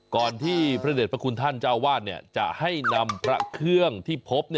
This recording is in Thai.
ก่อนที่พระเด็จพระคุณท่านเจ้าวาดจะให้นำพระเครื่องที่พบ